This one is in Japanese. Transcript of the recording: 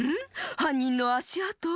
はんにんのあしあと？